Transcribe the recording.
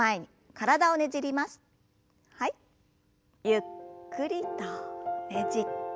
ゆっくりとねじって。